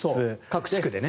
各地区でね。